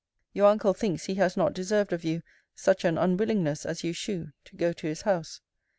Your uncle thinks he has not deserved of you such an unwillingness as you shew to go to his house.